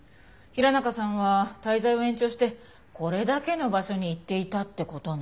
平中さんは滞在を延長してこれだけの場所に行っていたって事ね。